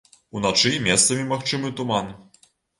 Уначы месцамі магчымы туман.